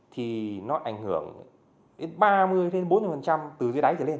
thì nó ảnh hưởng đến ba mươi bốn mươi từ dưới đáy trở lên